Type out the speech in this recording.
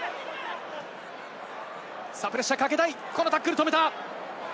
プレッシャーをかけたいこのタックル、止めた！